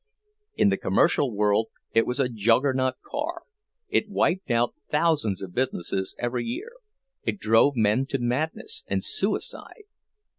In the commercial world it was a Juggernaut car; it wiped out thousands of businesses every year, it drove men to madness and suicide.